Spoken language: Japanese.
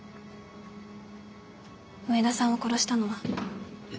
上田さんを殺したのは。